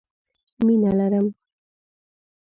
مينه لرم